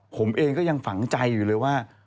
ผมเองก็ยังฝังใจอยู่เลยว่า